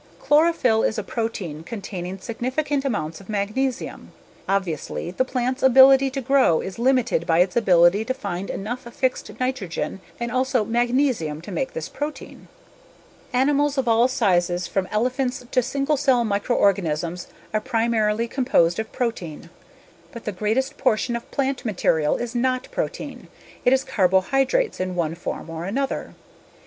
Chlorophyll is a protein containing significant amounts of magnesium. Obviously, the plant's ability to grow is limited by its ability to find enough fixed nitrogen and also magnesium to make this protein. Animals of all sizes from elephants to single cell microorganisms are primarily composed of protein. But the greatest portion of plant material is not protein, it is carbohydrates in one form or another.